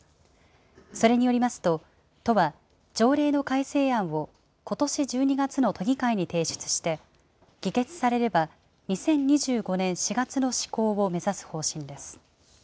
それによりますと、都は、条例の改正案をことし１２月の都議会に提出して、議決されれば、２０２５年４月の施行を目指す方針です。